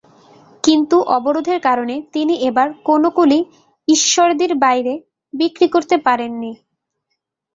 কিন্তু অবরোধের কারণে তিনি এবার কোনো কুলই ঈশ্বরদীর বাইরে বিক্রি করতে পারেননি।